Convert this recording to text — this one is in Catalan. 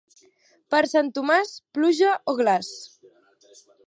Per Sant Tomàs, pluja o glaç.